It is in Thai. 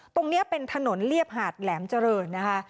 ตรงนี้เป็นถนนเรียบหาดแหลมเจริญนะคะ